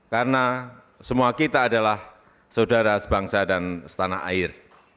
karena semua kita adalah saudara sebangsa dan setanah air